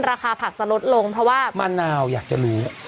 ราคาผักจะลดลงเพราะว่ามะนาวอยากจะลื้อ